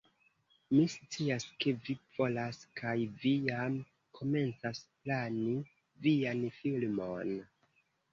Mi scias, ke vi volas kaj vi jam komencas plani vian filmon